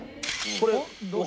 これ。